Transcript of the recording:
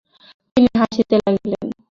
তিনি হাসিতে লাগিলেন।